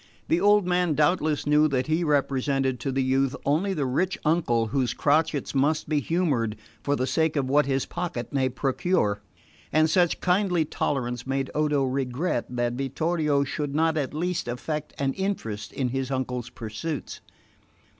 The old man doubtless knew that he represented to the youth only the rich uncle whose crotchets must be humoured for the sake of what his pocket may procure; and such kindly tolerance made Odo regret that Vittorio should not at least affect an interest in his uncle's pursuits.